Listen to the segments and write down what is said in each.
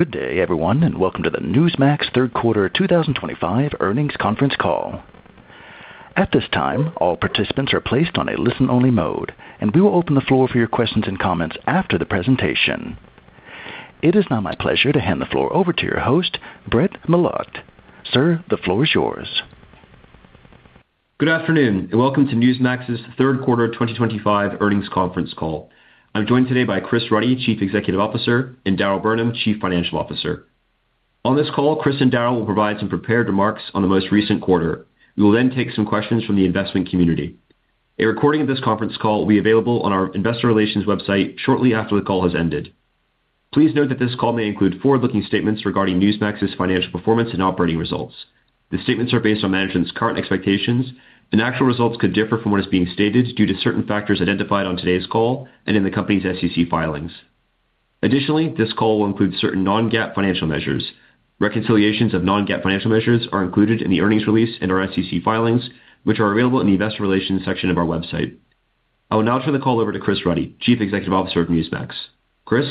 Good day, everyone, and welcome to the Newsmax Third Quarter 2025 Earnings Conference Call. At this time, all participants are placed on a listen-only mode, and we will open the floor for your questions and comments after the presentation. It is now my pleasure to hand the floor over to your host, Brett Milotte. Sir, the floor is yours. Good afternoon, and welcome to Newsmax's Third Quarter 2025 EarningsConference Call. I'm joined today by Chris Ruddy, Chief Executive Officer, and Darryle Burnham, Chief Financial Officer. On this call, Chris and Darryle will provide some prepared remarks on the most recent quarter. We will then take some questions from the investment community. A recording of this conference call will be available on our investor relations website shortly after the call has ended. Please note that this call may include forward-looking statements regarding Newsmax's financial performance and operating results. The statements are based on management's current expectations, and actual results could differ from what is being stated due to certain factors identified on today's call and in the company's SEC filings. Additionally, this call will include certain non-GAAP financial measures. Reconciliations of non-GAAP financial measures are included in the earnings release and our SEC filings, which are available in the investor relations section of our website. I will now turn the call over to Chris Ruddy, Chief Executive Officer of Newsmax. Chris.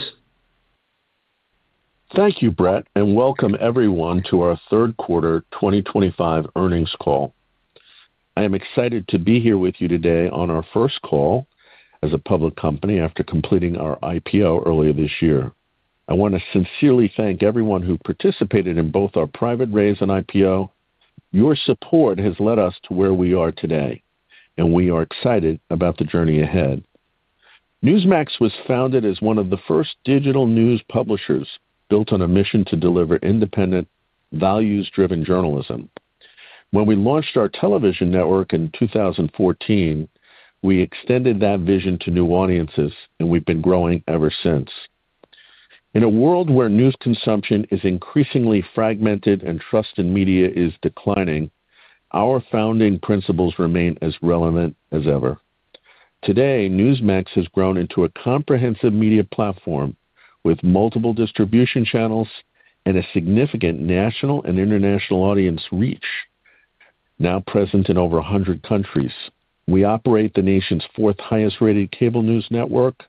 Thank you, Brett, and welcome everyone to our third quarter 2025 earnings call. I am excited to be here with you today on our first call as a public company after completing our IPO earlier this year. I want to sincerely thank everyone who participated in both our private raise and IPO. Your support has led us to where we are today, and we are excited about the journey ahead. Newsmax was founded as one of the first digital news publishers built on a mission to deliver independent, values-driven journalism. When we launched our television network in 2014, we extended that vision to new audiences, and we've been growing ever since. In a world where news consumption is increasingly fragmented and trust in media is declining, our founding principles remain as relevant as ever. Today, Newsmax has grown into a comprehensive media platform with multiple distribution channels and a significant national and international audience reach, now present in over 100 countries. We operate the nation's fourth highest-rated cable news network,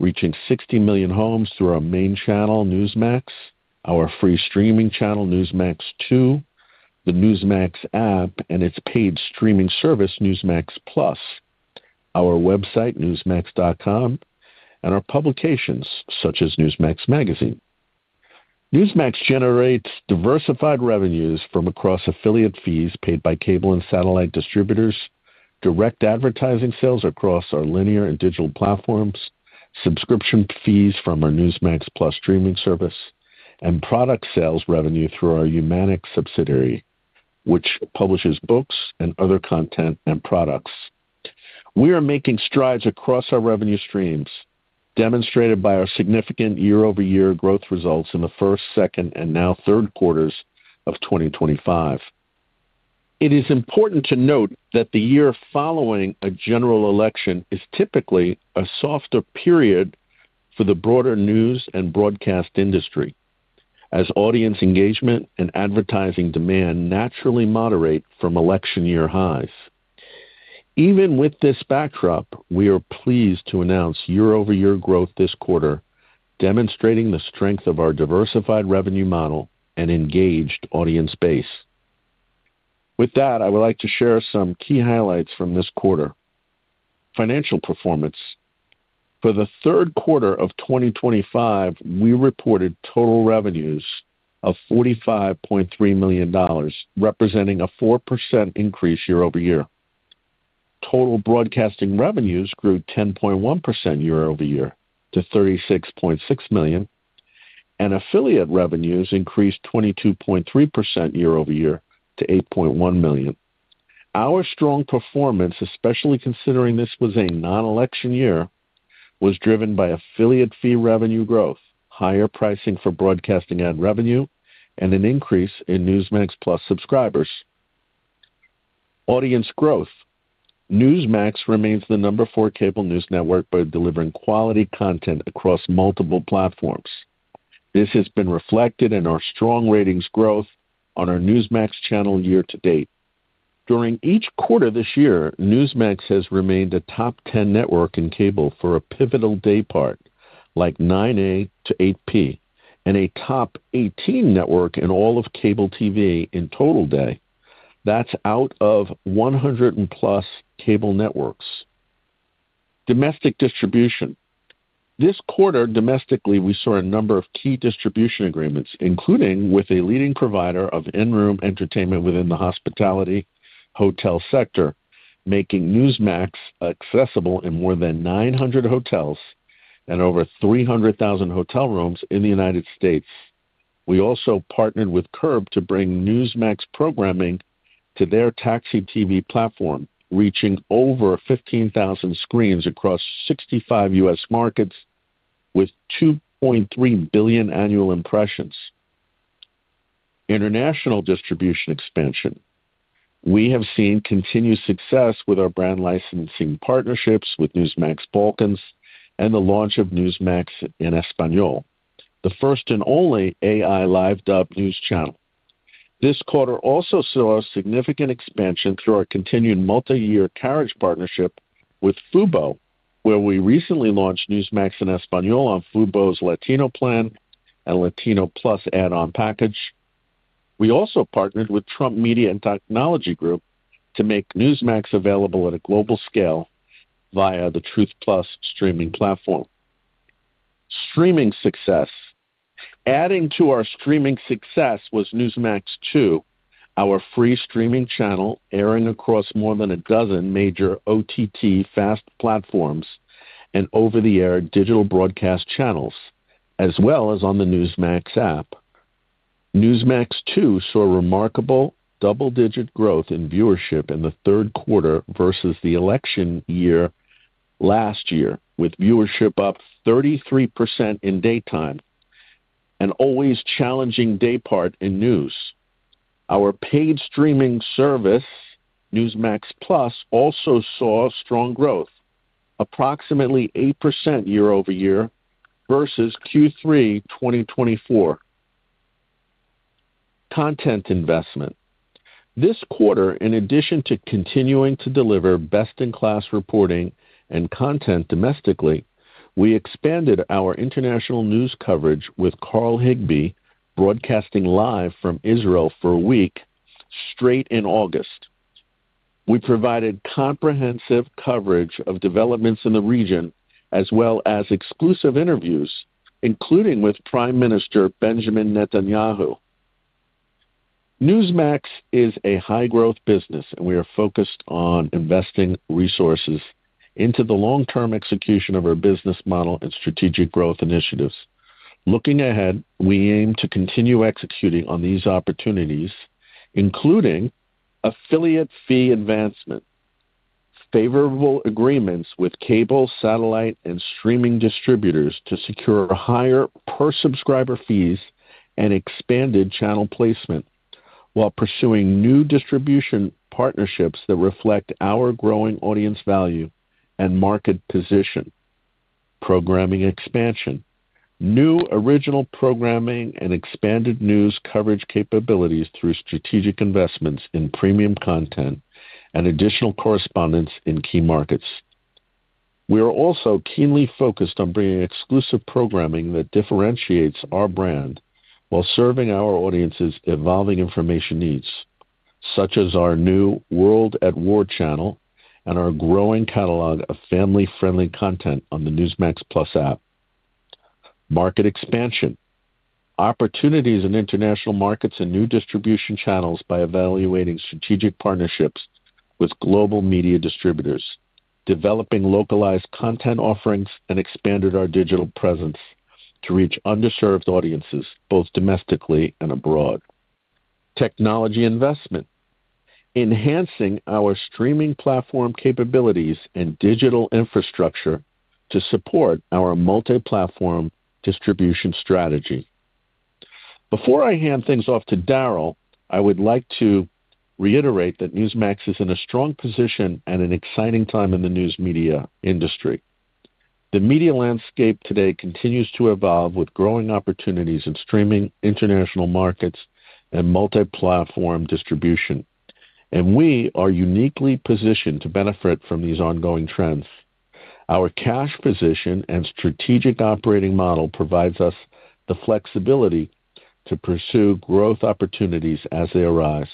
reaching 60 million homes through our main channel, Newsmax, our free streaming channel, Newsmax 2, the Newsmax app, and its paid streaming service, Newsmax Plus, our website, newsmax.com, and our publications such as Newsmax Magazine. Newsmax generates diversified revenues from across affiliate fees paid by cable and satellite distributors, direct advertising sales across our linear and digital platforms, subscription fees from our Newsmax Plus streaming service, and product sales revenue through our Humanic subsidiary, which publishes books and other content and products. We are making strides across our revenue streams, demonstrated by our significant year-over-year growth results in the first, second, and now third quarters of 2025. It is important to note that the year following a general election is typically a softer period for the broader news and broadcast industry, as audience engagement and advertising demand naturally moderate from election-year highs. Even with this backdrop, we are pleased to announce year-over-year growth this quarter, demonstrating the strength of our diversified revenue model and engaged audience base. With that, I would like to share some key highlights from this quarter. Financial performance: for the third quarter of 2025, we reported total revenues of $45.3 million, representing a 4% increase year-over-year. Total broadcasting revenues grew 10.1% year-over-year to $36.6 million, and affiliate revenues increased 22.3% year-over-year to $8.1 million. Our strong performance, especially considering this was a non-election year, was driven by affiliate fee revenue growth, higher pricing for broadcasting ad revenue, and an increase in Newsmax Plus subscribers. Audience growth: Newsmax remains the number four cable news network by delivering quality content across multiple platforms. This has been reflected in our strong ratings growth on our Newsmax channel year to date. During each quarter this year, Newsmax has remained a top 10 network in cable for a pivotal day part like 9:00 A.M.-8:00 P.M. and a top 18 network in all of cable TV in total day. That's out of 100 and plus cable networks. Domestic distribution: this quarter, domestically, we saw a number of key distribution agreements, including with a leading provider of in-room entertainment within the hospitality hotel sector, making Newsmax accessible in more than 900 hotels and over 300,000 hotel rooms in the United States. We also partnered with Curb to bring Newsmax programming to their taxi TV platform, reaching over 15,000 screens across 65 U.S. markets with 2.3 billion annual impressions. International distribution expansion: we have seen continued success with our brand licensing partnerships with Newsmax Balkans and the launch of Newsmax en Español, the first and only AI live dub news channel. This quarter also saw significant expansion through our continued multi-year carriage partnership with Fubo, where we recently launched Newsmax en Español on Fubo's Latino plan and Latino Plus add-on package. We also partnered with Trump Media and Technology Group to make Newsmax available at a global scale via the Truth Plus streaming platform. Streaming success: adding to our streaming success was Newsmax 2, our free streaming channel airing across more than a dozen major OTT FAST platforms and over-the-air digital broadcast channels, as well as on the Newsmax app. Newsmax 2 saw remarkable double-digit growth in viewership in the third quarter versus the election year last year, with viewership up 33% in daytime, an always challenging day part in news. Our paid streaming service, Newsmax Plus, also saw strong growth, approximately 8% year-over-year versus Q3 2024. Content investment: this quarter, in addition to continuing to deliver best-in-class reporting and content domestically, we expanded our international news coverage with Carl Higbie broadcasting live from Israel for a week straight in August. We provided comprehensive coverage of developments in the region, as well as exclusive interviews, including with Prime Minister Benjamin Netanyahu. Newsmax is a high-growth business, and we are focused on investing resources into the long-term execution of our business model and strategic growth initiatives. Looking ahead, we aim to continue executing on these opportunities, including affiliate fee advancement, favorable agreements with cable, satellite, and streaming distributors to secure higher per-subscriber fees, and expanded channel placement while pursuing new distribution partnerships that reflect our growing audience value and market position. Programming expansion: new original programming and expanded news coverage capabilities through strategic investments in premium content and additional correspondents in key markets. We are also keenly focused on bringing exclusive programming that differentiates our brand while serving our audience's evolving information needs, such as our new World at War channel and our growing catalog of family-friendly content on the Newsmax Plus app. Market expansion: opportunities in international markets and new distribution channels by evaluating strategic partnerships with global media distributors, developing localized content offerings, and expanded our digital presence to reach underserved audiences both domestically and abroad. Technology investment: enhancing our streaming platform capabilities and digital infrastructure to support our multi-platform distribution strategy. Before I hand things off to Darryle, I would like to reiterate that Newsmax is in a strong position and an exciting time in the news media industry. The media landscape today continues to evolve with growing opportunities in streaming, international markets, and multi-platform distribution, and we are uniquely positioned to benefit from these ongoing trends. Our cash position and strategic operating model provide us the flexibility to pursue growth opportunities as they arise.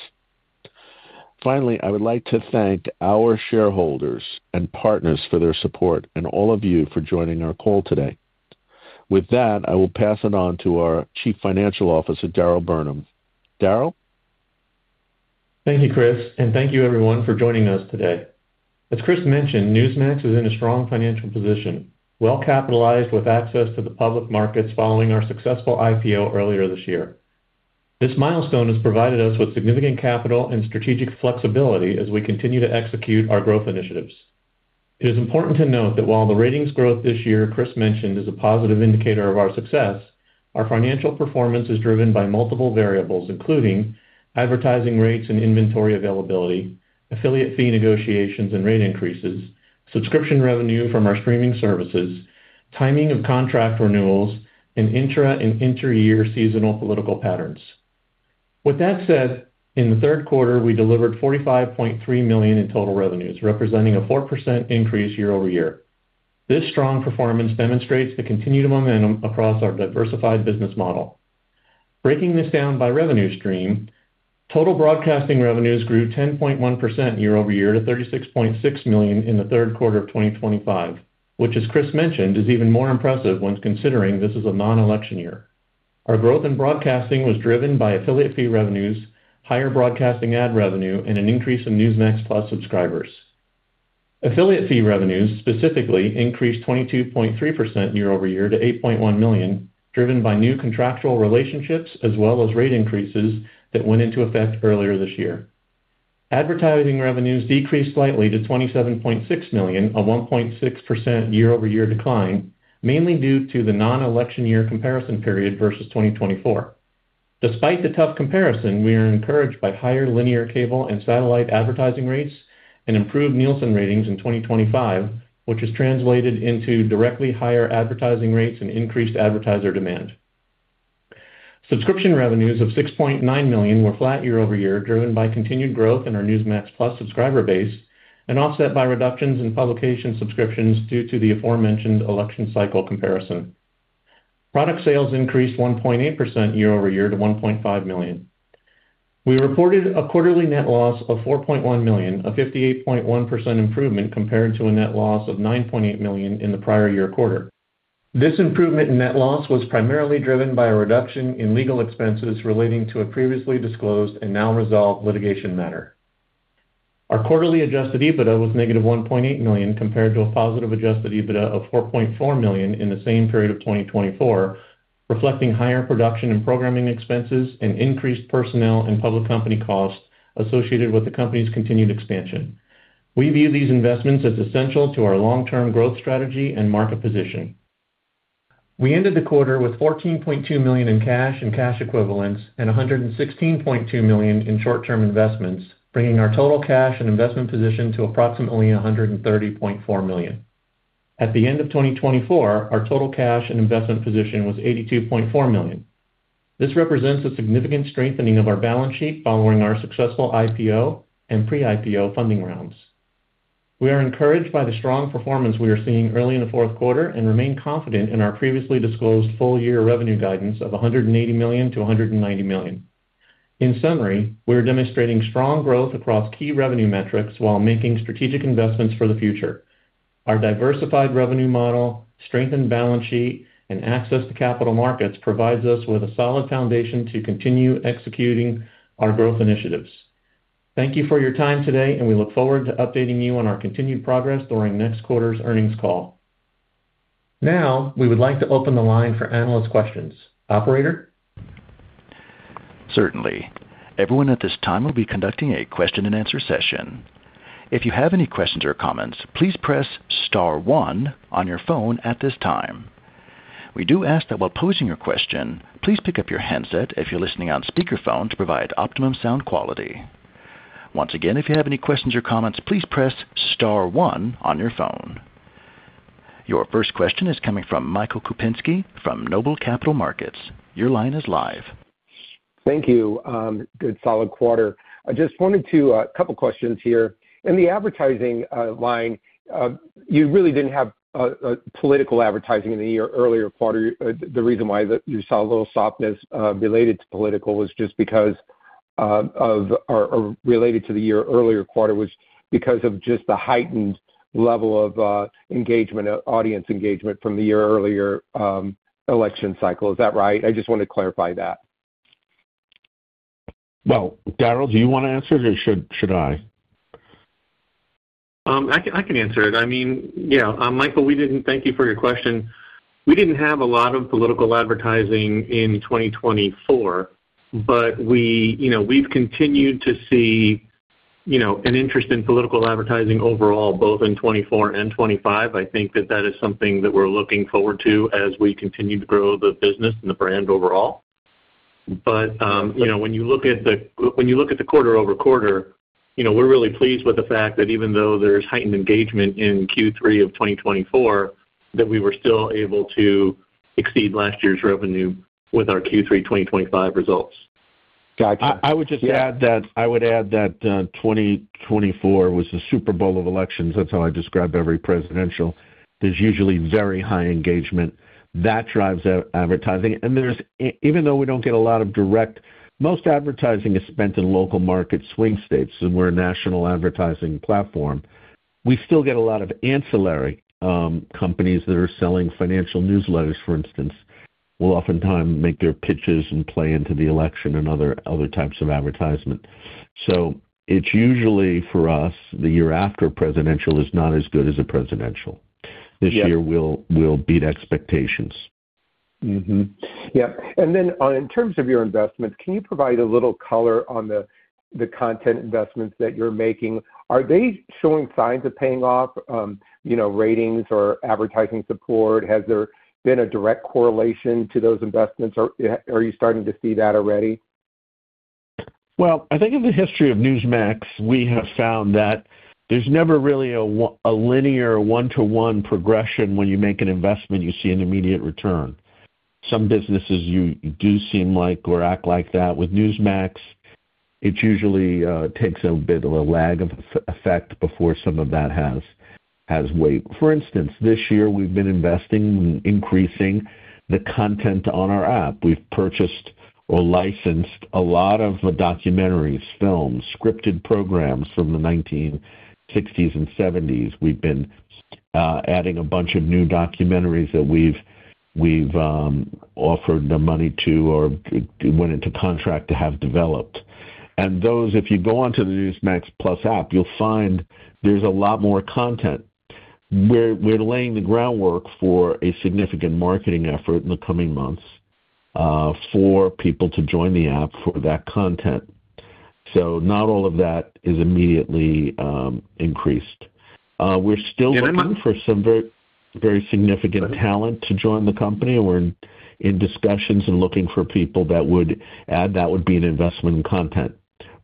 Finally, I would like to thank our shareholders and partners for their support and all of you for joining our call today. With that, I will pass it on to our Chief Financial Officer, Darryle Burnham. Darryle. Thank you, Chris, and thank you everyone for joining us today. As Chris mentioned, Newsmax is in a strong financial position, well capitalized, with access to the public markets following our successful IPO earlier this year. This milestone has provided us with significant capital and strategic flexibility as we continue to execute our growth initiatives. It is important to note that while the ratings growth this year, Chris mentioned, is a positive indicator of our success, our financial performance is driven by multiple variables, including advertising rates and inventory availability, affiliate fee negotiations and rate increases, subscription revenue from our streaming services, timing of contract renewals, and intra- and inter-year seasonal political patterns. With that said, in the third quarter, we delivered $45.3 million in total revenues, representing a 4% increase year-over-year. This strong performance demonstrates the continued momentum across our diversified business model. Breaking this down by revenue stream, total broadcasting revenues grew 10.1% year-over-year to $36.6 million in the third quarter of 2025, which, as Chris mentioned, is even more impressive when considering this is a non-election year. Our growth in broadcasting was driven by affiliate fee revenues, higher broadcasting ad revenue, and an increase in Newsmax Plus subscribers. Affiliate fee revenues specifically increased 22.3% year-over-year to $8.1 million, driven by new contractual relationships as well as rate increases that went into effect earlier this year. Advertising revenues decreased slightly to $27.6 million, a 1.6% year-over-year decline, mainly due to the non-election year comparison period versus 2024. Despite the tough comparison, we are encouraged by higher linear cable and satellite advertising rates and improved Nielsen ratings in 2025, which has translated into directly higher advertising rates and increased advertiser demand. Subscription revenues of $6.9 million were flat year-over-year, driven by continued growth in our Newsmax Plus subscriber base and offset by reductions in publication subscriptions due to the aforementioned election cycle comparison. Product sales increased 1.8% year-over-year to $1.5 million. We reported a quarterly net loss of $4.1 million, a 58.1% improvement compared to a net loss of $9.8 million in the prior year quarter. This improvement in net loss was primarily driven by a reduction in legal expenses relating to a previously disclosed and now resolved litigation matter. Our quarterly adjusted EBITDA was negative $1.8 million compared to a positive adjusted EBITDA of $4.4 million in the same period of 2024, reflecting higher production and programming expenses and increased personnel and public company costs associated with the company's continued expansion. We view these investments as essential to our long-term growth strategy and market position. We ended the quarter with $14.2 million in cash and cash equivalents and $116.2 million in short-term investments, bringing our total cash and investment position to approximately $130.4 million. At the end of 2024, our total cash and investment position was $82.4 million. This represents a significant strengthening of our balance sheet following our successful IPO and pre-IPO funding rounds. We are encouraged by the strong performance we are seeing early in the fourth quarter and remain confident in our previously disclosed full-year revenue guidance of $180 million-$190 million. In summary, we are demonstrating strong growth across key revenue metrics while making strategic investments for the future. Our diversified revenue model, strengthened balance sheet, and access to capital markets provide us with a solid foundation to continue executing our growth initiatives. Thank you for your time today, and we look forward to updating you on our continued progress during next quarter's earnings call. Now, we would like to open the line for analyst questions. Operator? Certainly. Everyone at this time will be conducting a question-and-answer session. If you have any questions or comments, please press star one on your phone at this time. We do ask that while posing your question, please pick up your handset if you're listening on speakerphone to provide optimum sound quality. Once again, if you have any questions or comments, please press star one on your phone. Your first question is coming from Michael Kupinski from Noble Capital Markets. Your line is live. Thank you. Good solid quarter. I just wanted to ask a couple of questions here. In the advertising line, you really did not have political advertising in the year earlier quarter. The reason why you saw a little softness related to political was just because of, or related to, the year earlier quarter was because of just the heightened level of engagement, audience engagement from the year earlier election cycle. Is that right? I just want to clarify that. Darryle, do you want to answer it or should I? I can answer it. I mean, Michael, we didn't thank you for your question. We didn't have a lot of political advertising in 2024, but we've continued to see an interest in political advertising overall, both in 2024 and 2025. I think that that is something that we're looking forward to as we continue to grow the business and the brand overall. When you look at the quarter-over-quarter, we're really pleased with the fact that even though there's heightened engagement in Q3 of 2024, we were still able to exceed last year's revenue with our Q3 2025 results. Gotcha. I would just add that 2024 was the Super Bowl of elections. That's how I describe every presidential. There's usually very high engagement. That drives advertising. Even though we don't get a lot of direct, most advertising is spent in local market swing states, and we're a national advertising platform. We still get a lot of ancillary companies that are selling financial newsletters, for instance, will oftentimes make their pitches and play into the election and other types of advertisement. It's usually for us, the year after presidential is not as good as a presidential. This year, we'll beat expectations. Yep. In terms of your investments, can you provide a little color on the content investments that you're making? Are they showing signs of paying off ratings or advertising support? Has there been a direct correlation to those investments, or are you starting to see that already? I think in the history of Newsmax, we have found that there's never really a linear one-to-one progression. When you make an investment, you see an immediate return. Some businesses do seem like or act like that. With Newsmax, it usually takes a bit of a lag of effect before some of that has weight. For instance, this year, we've been investing in increasing the content on our app. We've purchased or licensed a lot of documentaries, films, scripted programs from the 1960s and 1970s. We've been adding a bunch of new documentaries that we've offered the money to or went into contract to have developed. If you go on to the Newsmax Plus app, you'll find there's a lot more content. We're laying the groundwork for a significant marketing effort in the coming months for people to join the app for that content. Not all of that is immediately increased. We're still looking for some very significant talent to join the company. We're in discussions and looking for people that would add, that would be an investment in content,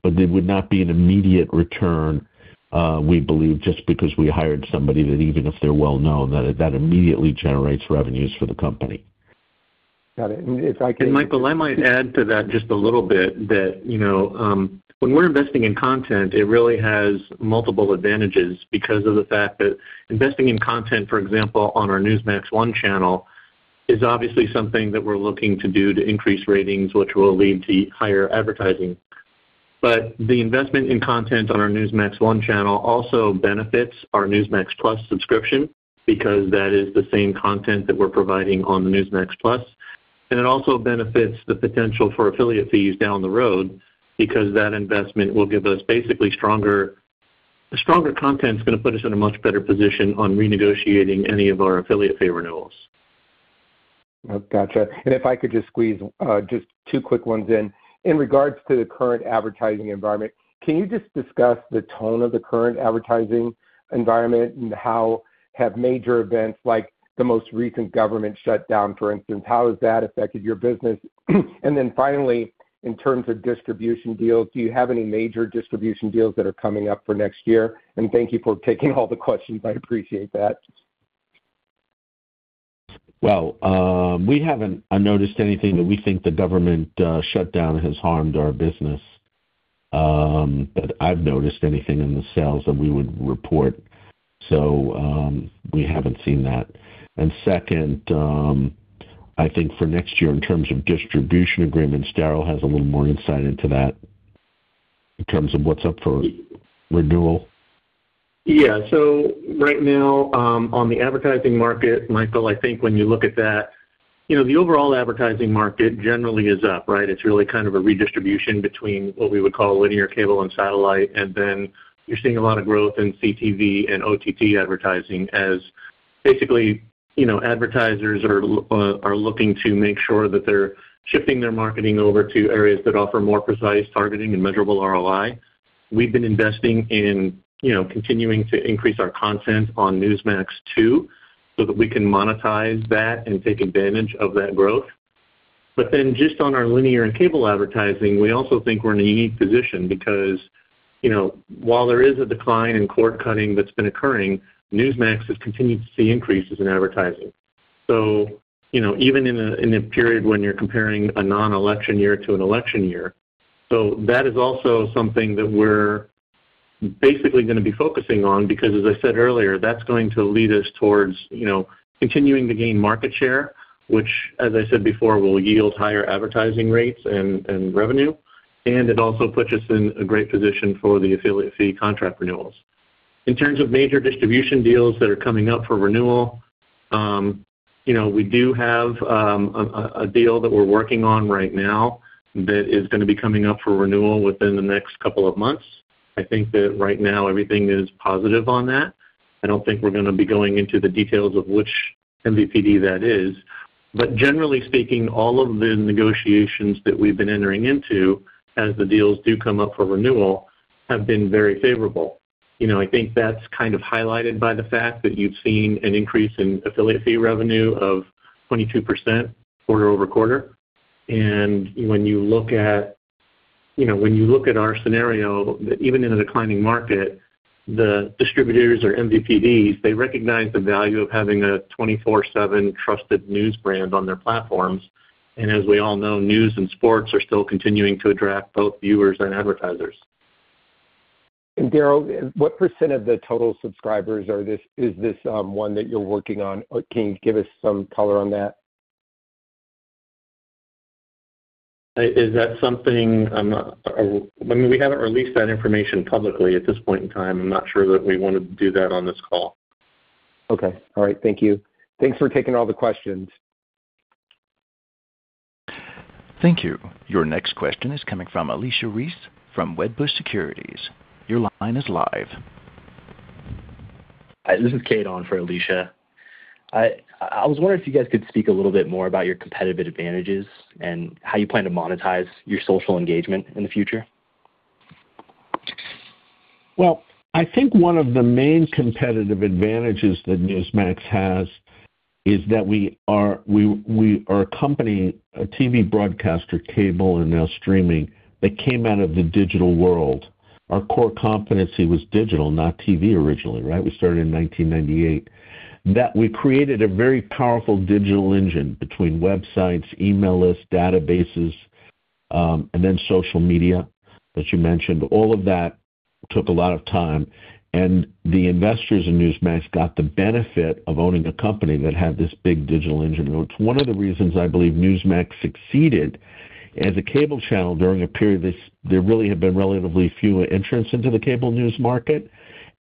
but there would not be an immediate return, we believe, just because we hired somebody, that even if they're well-known, that immediately generates revenues for the company. Got it. If I can. Michael, I might add to that just a little bit that when we're investing in content, it really has multiple advantages because of the fact that investing in content, for example, on our Newsmax one channel is obviously something that we're looking to do to increase ratings, which will lead to higher advertising. The investment in content on our Newsmax one channel also benefits our Newsmax Plus subscription because that is the same content that we're providing on the Newsmax Plus. It also benefits the potential for affiliate fees down the road because that investment will give us basically stronger content that's going to put us in a much better position on renegotiating any of our affiliate fee renewals. Gotcha. If I could just squeeze just two quick ones in. In regards to the current advertising environment, can you just discuss the tone of the current advertising environment and how have major events like the most recent government shutdown, for instance, how has that affected your business? Finally, in terms of distribution deals, do you have any major distribution deals that are coming up for next year? Thank you for taking all the questions. I appreciate that. We have not noticed anything that we think the government shutdown has harmed our business, but I have not noticed anything in the sales that we would report. We have not seen that. Second, I think for next year, in terms of distribution agreements, Darryle has a little more insight into that in terms of what is up for renewal. Yeah. So right now, on the advertising market, Michael, I think when you look at that, the overall advertising market generally is up, right? It's really kind of a redistribution between what we would call linear cable and satellite. You're seeing a lot of growth in CTV and OTT advertising as basically advertisers are looking to make sure that they're shifting their marketing over to areas that offer more precise targeting and measurable ROI. We've been investing in continuing to increase our content on Newsmax two so that we can monetize that and take advantage of that growth. Just on our linear and cable advertising, we also think we're in a unique position because while there is a decline in cord cutting that's been occurring, Newsmax has continued to see increases in advertising. Even in a period when you're comparing a non-election year to an election year, that is also something that we're basically going to be focusing on because, as I said earlier, that's going to lead us towards continuing to gain market share, which, as I said before, will yield higher advertising rates and revenue. It also puts us in a great position for the affiliate fee contract renewals. In terms of major distribution deals that are coming up for renewal, we do have a deal that we're working on right now that is going to be coming up for renewal within the next couple of months. I think that right now, everything is positive on that. I don't think we're going to be going into the details of which MVPD that is. Generally speaking, all of the negotiations that we've been entering into as the deals do come up for renewal have been very favorable. I think that's kind of highlighted by the fact that you've seen an increase in affiliate fee revenue of 22% quarter over quarter. When you look at our scenario, even in a declining market, the distributors or MVPDs, they recognize the value of having a 24/7 trusted news brand on their platforms. As we all know, news and sports are still continuing to attract both viewers and advertisers. Darryle, what percent of the total subscribers is this one that you're working on? Can you give us some color on that? Is that something I mean, we haven't released that information publicly at this point in time. I'm not sure that we want to do that on this call. Okay. All right. Thank you. Thanks for taking all the questions. Thank you. Your next question is coming from Alicia Reese from Wedbush Securities. Your line is live. Hi. This is Keith on for Alicia. I was wondering if you guys could speak a little bit more about your competitive advant``ages and how you plan to monetize your social engagement in the future. I think one of the main competitive advantages that Newsmax has is that we are a company, a TV broadcaster, cable, and now streaming that came out of the digital world. Our core competency was digital, not TV originally, right? We started in 1998. That we created a very powerful digital engine between websites, email lists, databases, and then social media that you mentioned. All of that took a lot of time. The investors in Newsmax got the benefit of owning a company that had this big digital engine. It's one of the reasons I believe Newsmax succeeded as a cable channel during a period. There really have been relatively few entrants into the cable news market,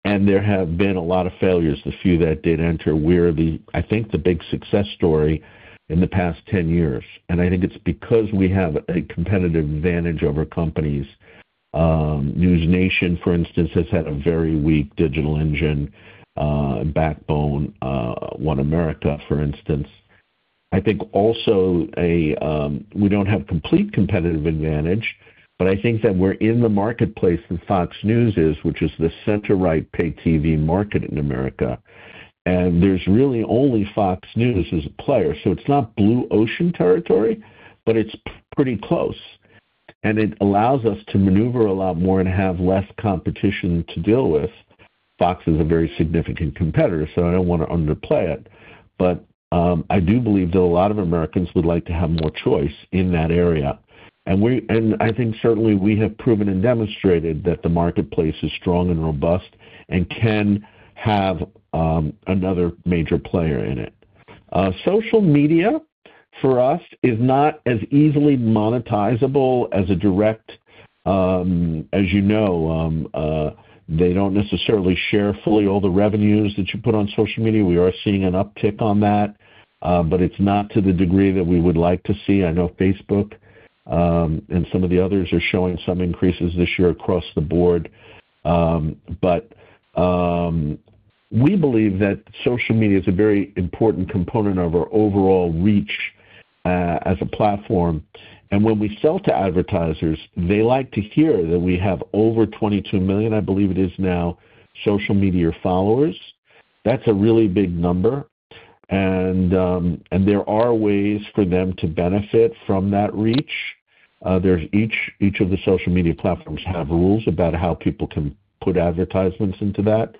and there have been a lot of failures. The few that did enter were the, I think, the big success story in the past 10 years. I think it's because we have a competitive advantage over companies. NewsNation, for instance, has had a very weak digital engine backbone. One America, for instance. I think also we don't have complete competitive advantage, but I think that we're in the marketplace that Fox News is, which is the center-right pay TV market in America. There's really only Fox News as a player. It's not blue ocean territory, but it's pretty close. It allows us to maneuver a lot more and have less competition to deal with. Fox is a very significant competitor, so I don't want to underplay it. I do believe that a lot of Americans would like to have more choice in that area. I think certainly we have proven and demonstrated that the marketplace is strong and robust and can have another major player in it. Social media for us is not as easily monetizable as a direct, as you know, they do not necessarily share fully all the revenues that you put on social media. We are seeing an uptick on that, but it is not to the degree that we would like to see. I know Facebook and some of the others are showing some increases this year across the board. We believe that social media is a very important component of our overall reach as a platform. When we sell to advertisers, they like to hear that we have over 22 million, I believe it is now, social media followers. That is a really big number. There are ways for them to benefit from that reach. Each of the social media platforms have rules about how people can put advertisements into that.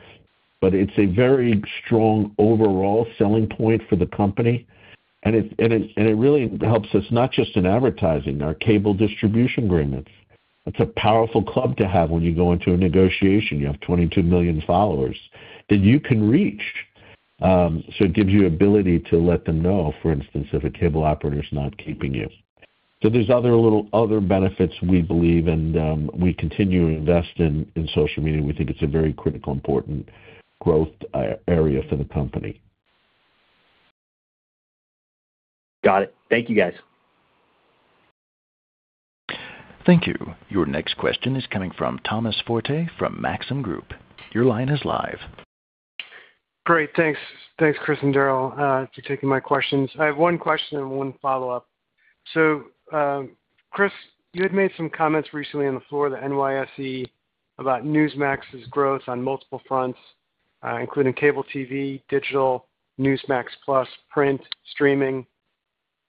It is a very strong overall selling point for the company. It really helps us not just in advertising, our cable distribution agreements. It is a powerful club to have when you go into a negotiation. You have 22 million followers that you can reach. It gives you ability to let them know, for instance, if a cable operator is not keeping you. There are other benefits we believe, and we continue to invest in social media. We think it is a very critical, important growth area for the company. Got it. Thank you, guys. Thank you. Your next question is coming from Thomas Forte from Maxim Group. Your line is live. Great. Thanks, Chris and Darryle, for taking my questions. I have one question and one follow-up. Chris, you had made some comments recently on the floor of the NYSE about Newsmax's growth on multiple fronts, including cable TV, digital, Newsmax Plus, print, streaming.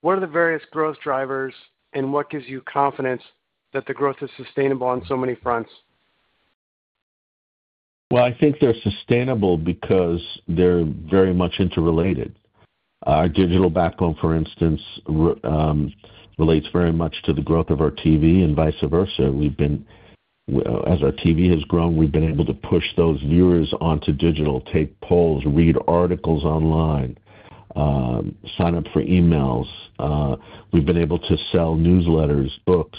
What are the various growth drivers, and what gives you confidence that the growth is sustainable on so many fronts? I think they're sustainable because they're very much interrelated. Our digital backbone, for instance, relates very much to the growth of our TV and vice versa. As our TV has grown, we've been able to push those viewers onto digital, take polls, read articles online, sign up for emails. We've been able to sell newsletters, books.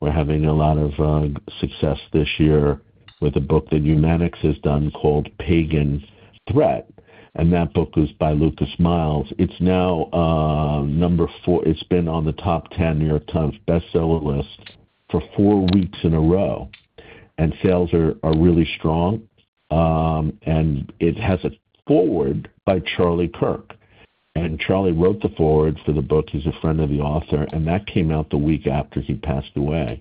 We're having a lot of success this year with a book that Humanic has done called Pagan Threat. And that book is by Lucas Miles. It's now number four. It's been on the top 10 New York Times bestseller list for four weeks in a row. Sales are really strong. It has a foreword by Charlie Kirk. Charlie wrote the foreword for the book. He's a friend of the author. That came out the week after he passed away.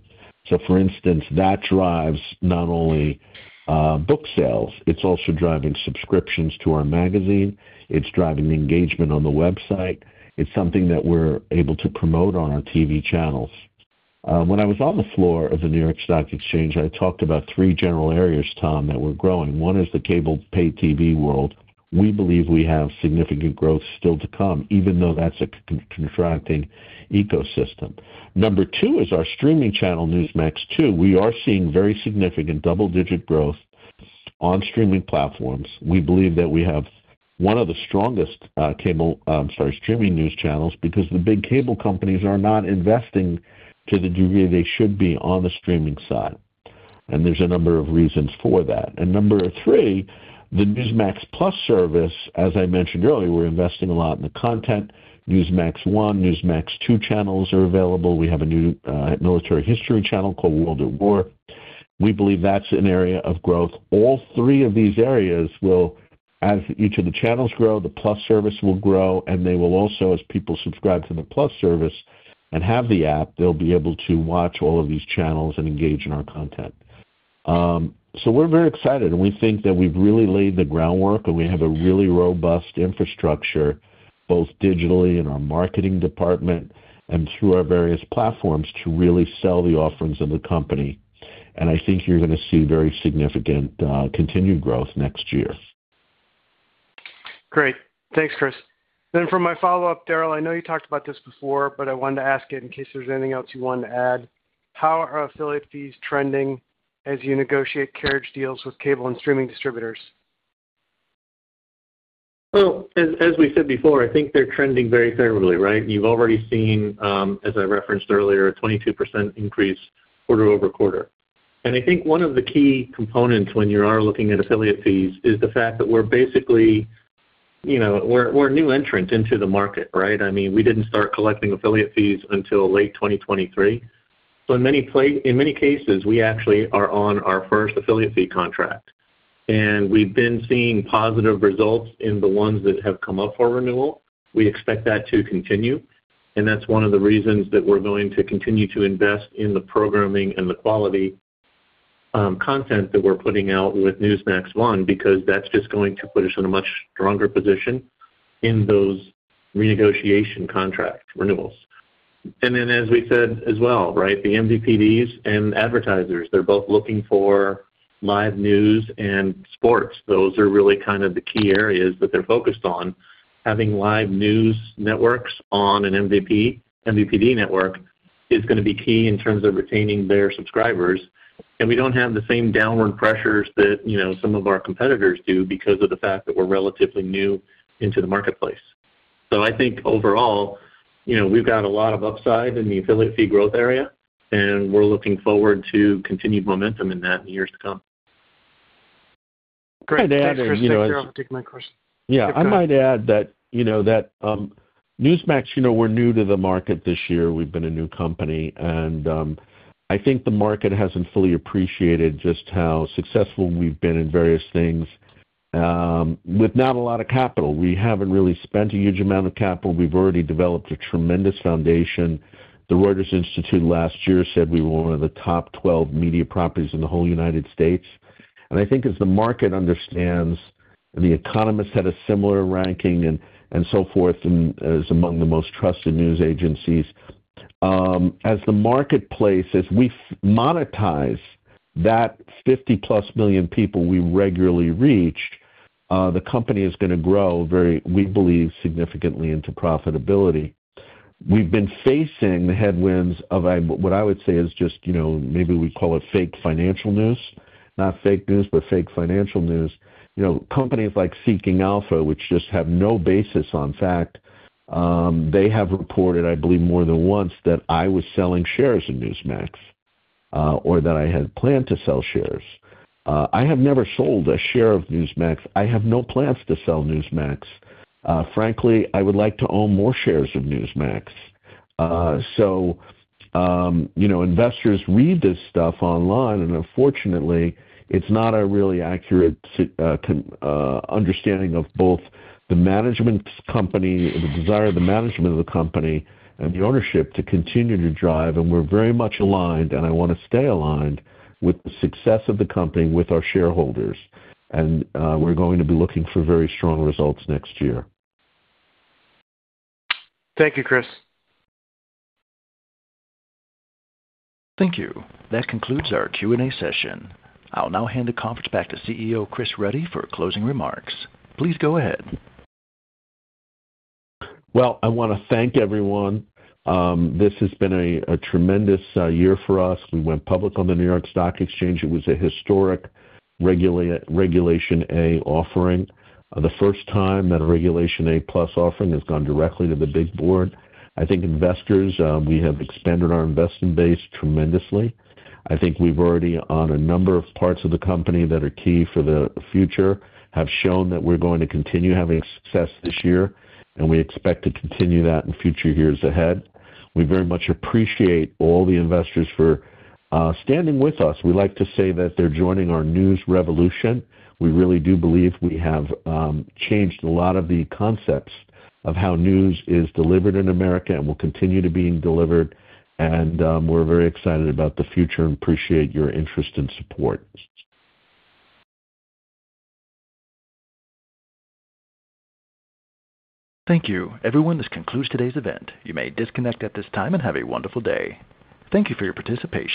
For instance, that drives not only book sales. It's also driving subscriptions to our magazine. It's driving engagement on the website. It's something that we're able to promote on our TV channels. When I was on the floor of the New York Stock Exchange, I talked about three general areas, Tom, that we're growing. One is the cable pay TV world. We believe we have significant growth still to come, even though that's a contracting ecosystem. Number two is our streaming channel, Newsmax two. We are seeing very significant double-digit growth on streaming platforms. We believe that we have one of the strongest cable, I'm sorry, streaming news channels because the big cable companies are not investing to the degree they should be on the streaming side. There are a number of reasons for that. Number three, the Newsmax Plus service, as I mentioned earlier, we're investing a lot in the content. Newsmax one, Newsmax two channels are available. We have a new military history channel called World at War. We believe that's an area of growth. All three of these areas will, as each of the channels grow, the Plus service will grow, and they will also, as people subscribe to the Plus service and have the app, they'll be able to watch all of these channels and engage in our content. We are very excited. We think that we've really laid the groundwork, and we have a really robust infrastructure, both digitally in our marketing department and through our various platforms to really sell the offerings of the company. I think you're going to see very significant continued growth next year. Great. Thanks, Chris. For my follow-up, Darryle, I know you talked about this before, but I wanted to ask it in case there's anything else you wanted to add. How are affiliate fees trending as you negotiate carriage deals with cable and streaming distributors? As we said before, I think they're trending very favorably, right? You've already seen, as I referenced earlier, a 22% increase quarter over quarter. I think one of the key components when you are looking at affiliate fees is the fact that we're basically a new entrant into the market, right? I mean, we didn't start collecting affiliate fees until late 2023. In many cases, we actually are on our first affiliate fee contract. We've been seeing positive results in the ones that have come up for renewal. We expect that to continue. That's one of the reasons that we're going to continue to invest in the programming and the quality content that we're putting out with Newsmax one because that's just going to put us in a much stronger position in those renegotiation contract renewals. As we said as well, right, the MVPDs and advertisers, they're both looking for live news and sports. Those are really kind of the key areas that they're focused on. Having live news networks on an MVPD network is going to be key in terms of retaining their subscribers. We do not have the same downward pressures that some of our competitors do because of the fact that we're relatively new into the marketplace. I think overall, we've got a lot of upside in the affiliate fee growth area, and we're looking forward to continued momentum in that in the years to come. Great. I think Chris, you're taking my question. Yeah. I might add that Newsmax, we're new to the market this year. We've been a new company. I think the market hasn't fully appreciated just how successful we've been in various things with not a lot of capital. We haven't really spent a huge amount of capital. We've already developed a tremendous foundation. The Reuters Institute last year said we were one of the top 12 media properties in the whole United States. I think as the market understands, and The Economist had a similar ranking and so forth, and is among the most trusted news agencies. As the marketplace, as we monetize that 50-plus million people we regularly reach, the company is going to grow, we believe, significantly into profitability. We've been facing the headwinds of what I would say is just maybe we call it fake financial news. Not fake news, but fake financial news. Companies like Seeking Alpha, which just have no basis on fact, they have reported, I believe, more than once that I was selling shares of Newsmax or that I had planned to sell shares. I have never sold a share of Newsmax. I have no plans to sell Newsmax. Frankly, I would like to own more shares of Newsmax. Investors read this stuff online, and unfortunately, it's not a really accurate understanding of both the management company, the desire of the management of the company, and the ownership to continue to drive. We are very much aligned, and I want to stay aligned with the success of the company with our shareholders. We are going to be looking for very strong results next year. Thank you, Chris. Thank you. That concludes our Q&A session. I'll now hand the conference back to CEO Chris Ruddy for closing remarks. Please go ahead. I want to thank everyone. This has been a tremendous year for us. We went public on the New York Stock Exchange. It was a historic Regulation A offering. The first time that a Regulation A Plus offering has gone directly to the big board. I think investors, we have expanded our investment base tremendously. I think we've already, on a number of parts of the company that are key for the future, have shown that we're going to continue having success this year, and we expect to continue that in future years ahead. We very much appreciate all the investors for standing with us. We like to say that they're joining our news revolution. We really do believe we have changed a lot of the concepts of how news is delivered in America and will continue to be delivered. We are very excited about the future and appreciate your interest and support. Thank you. Everyone, this concludes today's event. You may disconnect at this time and have a wonderful day. Thank you for your participation.